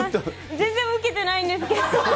全然ウケてないんですけど。